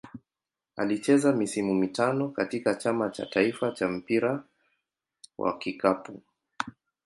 Alicheza misimu mitano katika Chama cha taifa cha mpira wa kikapu.